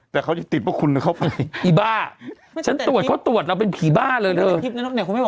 เธอก็ลูกน้องอยู่